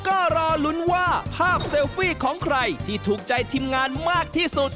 ก็รอลุ้นว่าภาพเซลฟี่ของใครที่ถูกใจทีมงานมากที่สุด